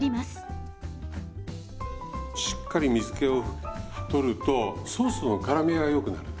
しっかり水けを取るとソースのからみがよくなる。